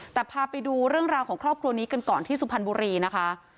แต่พาไปดูเรื่องราวของครอบครัวนี้กันก่อนที่สุพรรณบุรีนะคะ